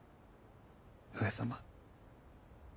上様。